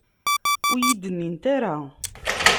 Ur iyi-d-nnint ara.